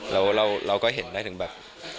แล้วเราก็เห็นได้ถึงแบบ